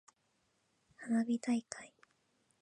花火大会。